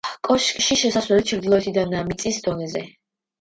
კოშკში შესასვლელი ჩრდილოეთიდანაა, მიწის დონეზე.